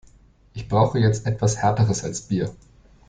Ich brauche jetzt etwas härteres als Bier.